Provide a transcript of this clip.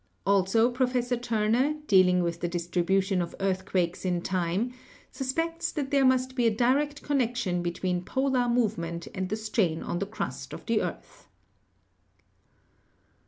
Also Professor Turner, dealing with the dis tribution of earthquakes in time, suspects that there must be a direct connection between polar movement and the strain on the crust of the earth.